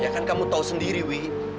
ya kan kamu tahu sendiri wi